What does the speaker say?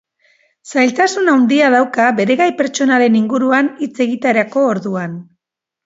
Zailtasun handia dauka bere gai pertsonalen inguruan hitz egiterako orduan.